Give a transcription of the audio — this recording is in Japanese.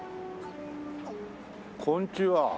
こんちは。